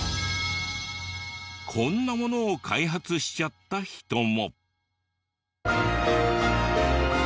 こんなものを開発しちゃった人も。